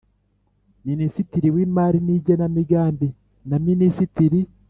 Minisitiri w Imari n Igenamigambi na Minisitiri